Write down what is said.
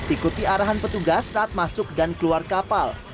ikuti arahan petugas saat masuk dan keluar kapal